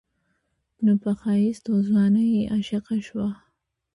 نو پۀ ښايست او ځوانۍ يې عاشقه شوه